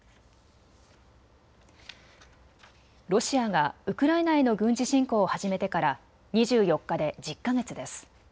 ロシアがウクライナへの軍事侵攻を始めてから２４日で１０か月です。